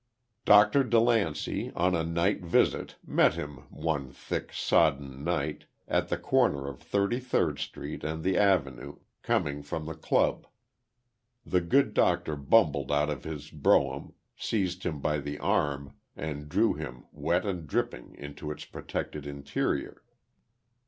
Dr. DeLancey, on a night visit, met him one thick, sodden night at the corner of Thirty third Street and the Avenue, coming from the club. The good doctor bumbled out of his brougham, seized him by the arm and drew him wet and dripping into its protected interior.